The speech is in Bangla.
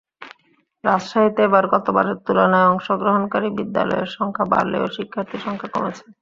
রাজশাহীতে এবার গতবারের তুলনায় অংশগ্রহণকারী বিদ্যালয়ের সংখ্যা বাড়লেও শিক্ষার্থীর সংখ্যা কমেছে।